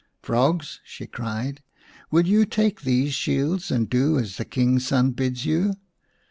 "Frogs!" she cried, "will you take these shields and do as the King's son bids you